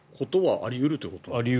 あり得るってことですか